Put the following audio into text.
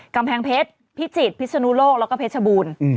กำแพงเพชรพิจิตรพิศนุโลกแล้วก็เพชรบูรณ์